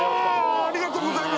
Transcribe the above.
ありがとうございます